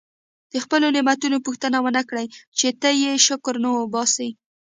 د خپلو نعمتونو پوښتنه ونه کړي چې ته یې شکر نه وباسې.